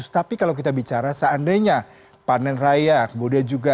tapi kalau kita bicara seandainya panen rayak muda juga